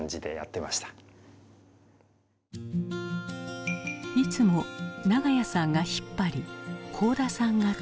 いつも長屋さんが引っ張り幸田さんがついていく。